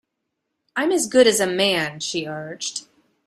I'm as good as a man, she urged.